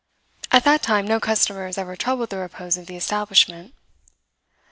At that time no customers ever troubled the repose of the establishment.